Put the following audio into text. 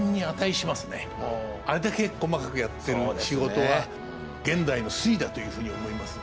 あれだけ細かくやってる仕事は現代の粋だというふうに思います。